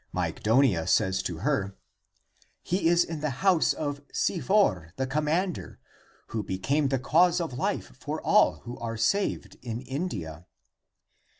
Myg donia says to her, " He is in the house of Sifor the commander, who became the cause of life for all who are saved in India."